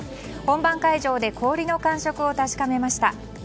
本番会場で氷の感触を確かめました。